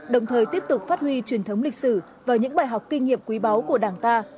đồng thời tiếp tục phát huy truyền thống lịch sử và những bài học kinh nghiệm quý báu của đảng ta